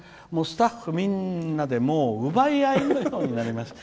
スタッフみんなで奪い合いのようになりました。